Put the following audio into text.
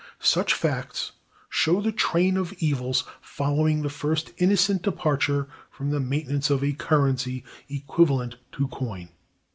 Such facts show the train of evils following the first innocent departure from the maintenance of a currency equivalent to coin.